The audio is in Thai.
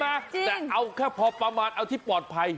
แต่เอาแค่พอประมาณเอาที่ปลอดภัย